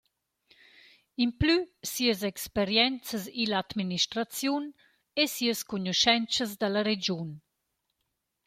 Implü sias experienzas ill’administraziun e sias cugnuoschentschas da la regiun.